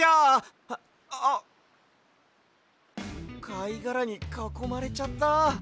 かいがらにかこまれちゃった。